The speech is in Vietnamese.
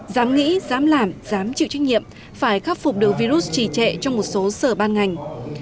dám nghĩ dám làm dám chịu trách nhiệm phải khắc phục được virus trì trệ trong một số sở ban ngành